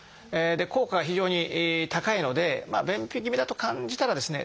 効果が非常に高いので便秘気味だと感じたらですね